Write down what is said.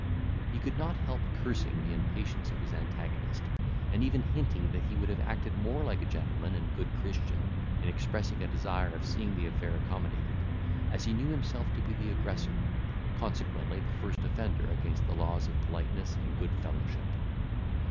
He could not help cursing the impatience of his antagonist, and even hinting that he would have acted more like a gentleman and good Christian, in expressing a desire of seeing the affair accommodated, as he knew himself to be the aggressor, consequently the first offender against the laws of politeness and good fellowship.